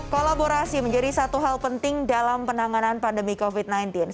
dari sistema kelelisan sebatas dan komunisir neo k consistency